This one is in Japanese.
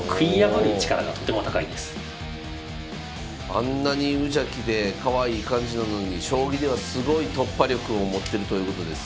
あんなに無邪気でかわいい感じなのに将棋ではすごい突破力を持ってるということです。